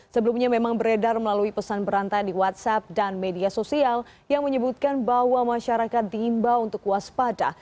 sebelumnya memang beredar melalui pesan berantai di whatsapp dan media sosial yang menyebutkan bahwa masyarakat diimbau untuk waspada